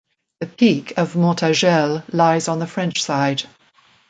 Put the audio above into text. The peak of Mont Agel lies on the French side.